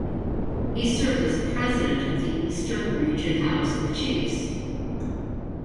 He served as president of the Eastern Region House of Chiefs.